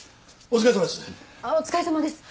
お疲れさまです！